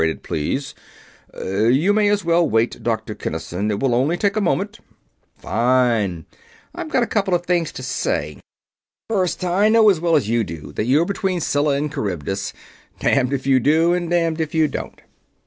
please. You may as well wait, Dr. Kinnison; it will take only a moment." "Fine. I've got a couple of things to say. First, I know as well as you do that you're between Scylla and Charybdis damned if you do and damned if you don't."